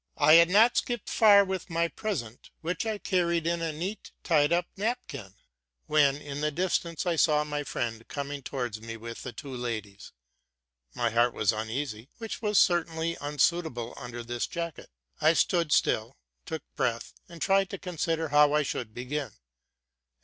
I had not skipped far with my present, which I carried in a neat tied up napkin, when, in the distance, I saw my friend coming towards me with the two ladies. My heart was un easy, which was certainly unsuitable underneath this jacket. I stood still, took breath, and tried to consider how I should 1 Abbreviation for Frederica. — TRANS.